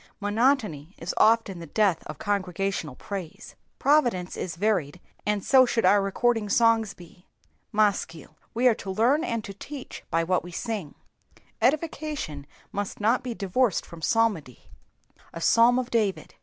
Monotony is often the death of congregaiional praise. Providence is xxiried, and so should our recording songs be. Maschil. We are to learn and to teach by whai toe sing. Edification must not be divorced from psalmody. A Psalm of David.